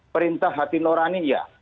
perintah hati norani ya